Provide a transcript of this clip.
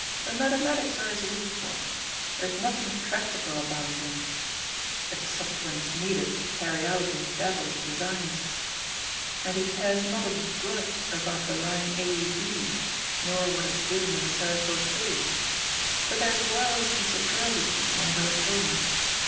The mathematics are his weak point, there's nothing practical about him (except when it's needed to carry out his devil's designs) and he cares not a doit about the line A B, nor what it's doing in the circle K, but there's whiles he surprises me when we're at Homer.